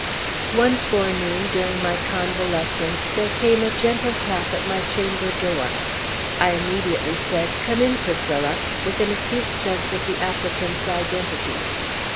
One forenoon, during my convalescence, there came a gentle tap at my chamber door. I immediately said, "Come in, Priscilla!" with an acute sense of the applicant's identity.